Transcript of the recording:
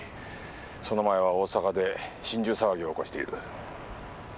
その前は大阪で心中騒ぎを起こしている。